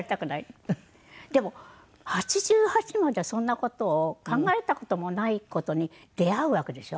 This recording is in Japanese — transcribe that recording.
でも８８まではそんな事を考えた事もない事に出会うわけでしょ。